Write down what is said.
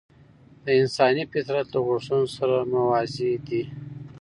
د انساني فطرت له غوښتنو سره موازي دي.